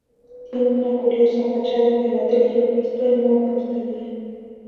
Tiene una curiosa fachada de ladrillo visto y mampostería.